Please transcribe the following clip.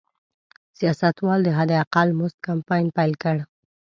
سیاستوالو د حداقل مزد کمپاین پیل کړ.